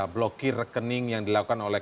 blokir rekening yang dilakukan oleh